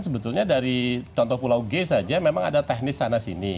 sebetulnya dari contoh pulau g saja memang ada teknis sana sini